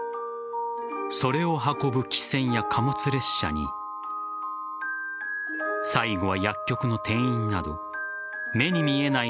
それを運ぶ汽船や貨物列車に最後は薬局の店員など目に見えない